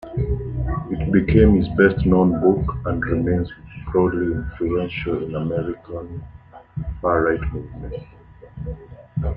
It became his best known book, and remains broadly influential in American far-right movements.